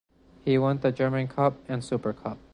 He won the German Cup and Super Cup.